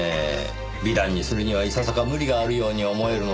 美談にするにはいささか無理があるように思えるのですが。